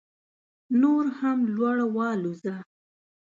نور هم لوړ والوځه